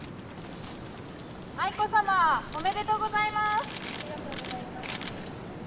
愛子さまおめでとうございます！